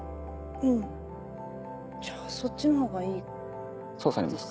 うんじゃあそっちのほうがいいですね。